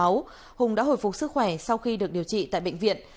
sau đó hùng đã hồi phục sức khỏe sau khi được điều trị tại bệnh viện